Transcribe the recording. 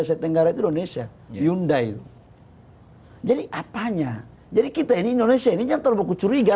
negara negara indonesia hyundai hai jadi apanya jadi kita ini indonesia ini nyantol buku curiga